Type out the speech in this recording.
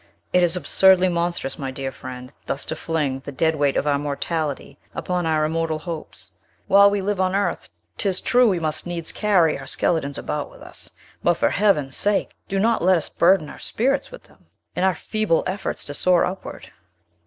It is absurdly monstrous, my dear friend, thus to fling the dead weight of our mortality upon our immortal hopes. While we live on earth, 't is true, we must needs carry our skeletons about with us; but, for Heaven's sake, do not let us burden our spirits with them, in our feeble efforts to soar upward!